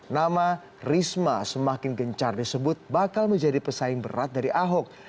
nama risma semakin gencar disebut bakal menjadi pesaing berat dari ahok